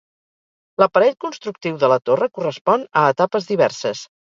L'aparell constructiu de la torre correspon a etapes diverses.